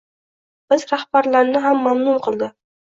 Biz rahbarlarni ham mamnun qildi.